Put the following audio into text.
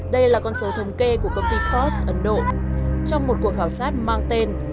đây là con số thống kê của công ty ford ấn độ trong một cuộc khảo sát mang tên